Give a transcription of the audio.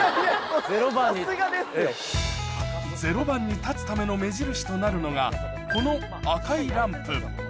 ０番に立つための目印となるのがこの赤いランプ